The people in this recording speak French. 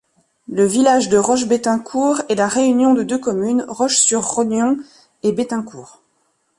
Le village de Roches-Bettaincourt est la réunion de deux communes, Roches-sur-Rognon et Bettaincourt.